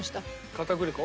片栗粉？